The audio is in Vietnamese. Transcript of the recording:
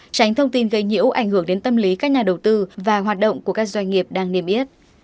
tránh thông tin gây nhiễu ảnh hưởng đến tâm lý các nhà đầu tư và hoạt động của các doanh nghiệp đang niêm yết